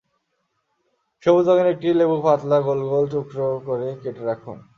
সবুজ রঙের একটি লেবু পাতলা গোল গোল টুকরা করে কেটে রাখুন।